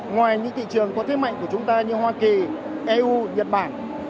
ngoài những thị trường có thế mạnh của chúng ta như hoa kỳ eu nhật bản